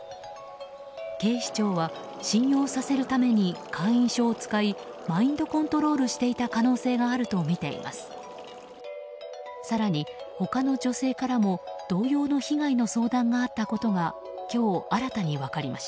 警視庁は信用させるために会員証を使いマインドコントロールしていた可能性があるとみています。